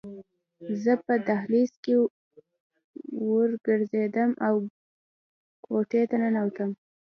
زه په دهلیز کې ورو ګرځېدم او کوټې ته ننوتم